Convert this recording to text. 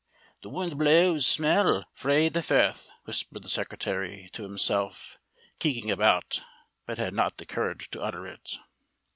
The wund blaws snell frae the firth, whispered the secretary to himself, keeking about, but had not the courage to utter it.